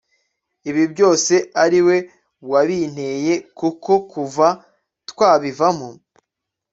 ibi byose ariwe wabinteye kuko kuva twabivamo